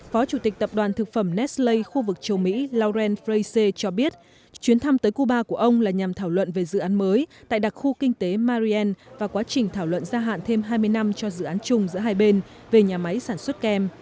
phó chủ tịch tập đoàn thực phẩm nestlay khu vực châu mỹ lauren frayse cho biết chuyến thăm tới cuba của ông là nhằm thảo luận về dự án mới tại đặc khu kinh tế marien và quá trình thảo luận gia hạn thêm hai mươi năm cho dự án chung giữa hai bên về nhà máy sản xuất kem